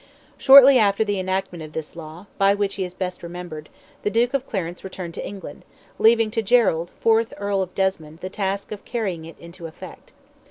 Shortly after the enactment of this law, by which he is best remembered, the Duke of Clarence returned to England, leaving to Gerald, fourth Earl of Desmond, the task of carrying it into effect.